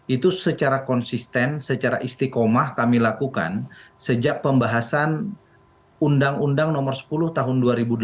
itu secara konsisten secara istiqomah kami lakukan sejak pembahasan undang undang nomor sepuluh tahun dua ribu delapan belas